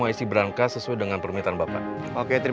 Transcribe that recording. waalaikumsalam warahmatullahi wabarakatuh